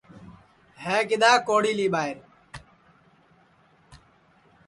ہے کِدؔا کوڑھیلی ٻائیر